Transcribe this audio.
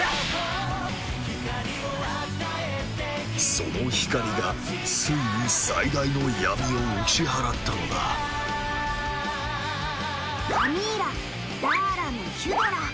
その光がついに最大の闇を打ち払ったのだカミーラダーラムヒュドラ。